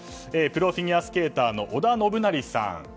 プロフィギュアスケーターの織田信成さん。